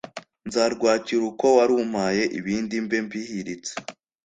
nzarwakira uko warumpaye ibindi mbe mbihiritse